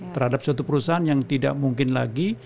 terhadap suatu perusahaan yang tidak mungkin lagi